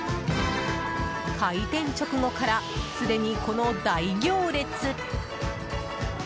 開店直後から、すでにこの大行列。